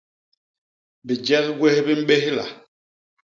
Bijek gwés bi mbélha.